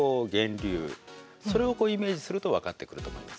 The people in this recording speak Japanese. それをイメージすると分かってくると思います。